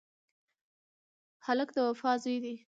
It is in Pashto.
هلک د وفا زوی دی.